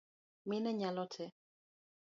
Mine nyalo tee